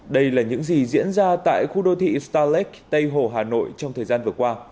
đây là những gì diễn ra tại khu đô thị starlek tây hồ hà nội trong thời gian vừa qua